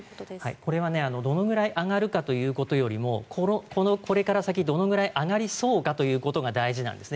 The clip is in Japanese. これはどのぐらい上がるかということよりもこれから先、どのぐらい上がりそうかということが大事なんですね。